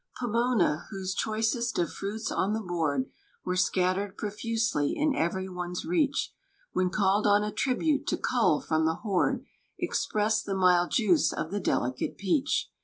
Pomona, whose choicest of fruits on the board Were scattered profusely, in every one's reach, When called on a tribute to cull from the hoard, Express'd the mild juice of the delicate peach.